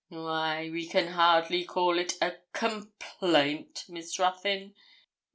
'Why, we can hardly call it a complaint, Miss Ruthyn.